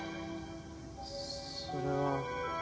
それは。